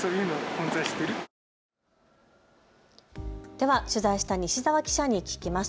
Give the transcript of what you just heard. では取材した西澤記者に聞きます。